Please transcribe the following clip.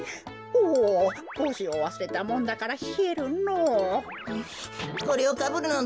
おぉぼうしをわすれたもんだからひえるのぉ。